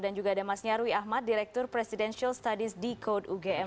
dan juga ada mas nyarwi ahmad direktur presidential studies decode ugm